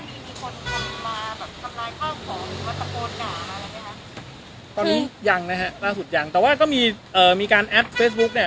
อีกตอนนี้ยังนะฮะล่าสุดยังแต่ว่าก็มีเอ่อมีการเนี้ย